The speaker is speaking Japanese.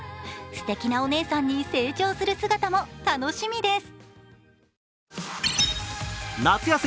すてきなお姉さんに成長する姿も楽しみです。